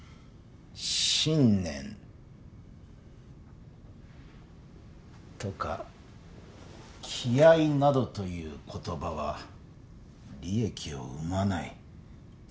「信念」とか「気合」などという言葉は利益を生まない。